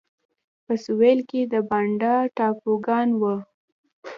په سوېل کې د بانډا ټاپوګان وو.